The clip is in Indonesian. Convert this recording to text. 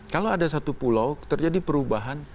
kalau ada satu pulau terjadi perubahan